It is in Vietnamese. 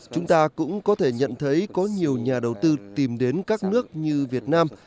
chúng ta cũng có thể nhận thấy có nhiều nhà đầu tư tìm đến các nước như việt nam